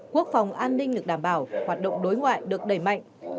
quốc phòng an ninh được đảm bảo hoạt động đối ngoại được đẩy mạnh